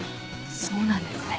そうなんですね。